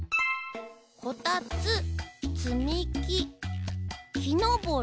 「こたつつみききのぼり」。